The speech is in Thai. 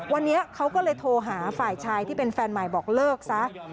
วันนี้เขาก็เลยโทรหาฝ่ายชายที่เป็นแฟนใหม่บอกเลิกซะ